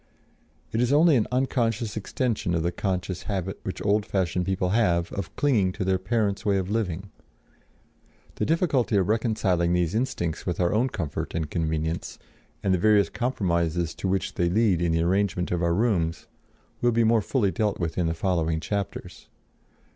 It is only an unconscious extension of the conscious habit which old fashioned people have of clinging to their parents' way of living. The difficulty of reconciling these instincts with our own comfort and convenience, and the various compromises to which they lead in the arrangement of our rooms, will be more fully dealt with in the following chapters.